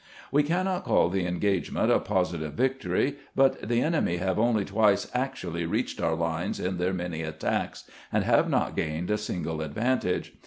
We cannot call the engagement a positive victory, but the enemy have only twice actually reached our lines in their many attacks, and have not gained a single advantage.